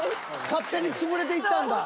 勝手に潰れていったんだ。